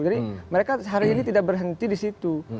jadi mereka sehari ini tidak berhenti di situ